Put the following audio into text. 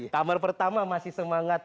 kamar pertama masih semangat